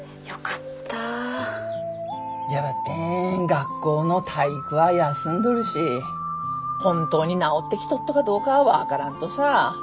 学校の体育は休んどるし本当に治ってきとっとかどうかは分からんとさ。